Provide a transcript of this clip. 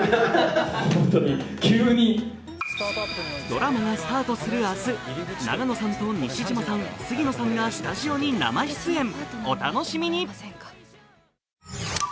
ドラマがスタートする明日、永野さんと西島さん、杉野さんがスタジオに生出演、お楽しみに。